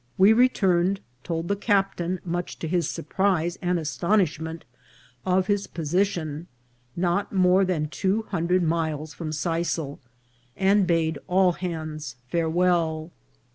We returned, told the PASSAGE TO NEW YORK. 467 captain, much to his surprise and astonishment, of his position, not more than two hundred miles from Sisal, and bade all hands farewell.